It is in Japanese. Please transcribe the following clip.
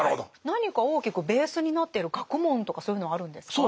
何か大きくベースになっている学問とかそういうのはあるんですか？